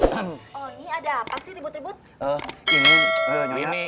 oh ini ada apa sih ribut ribut ini